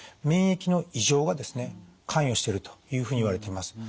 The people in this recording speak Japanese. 免疫の異常がですね関与しているというふうにいわれています。